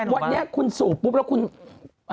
วันนี้คุณสูบปุ๊บ